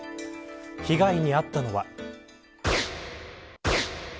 被害に遭ったのは。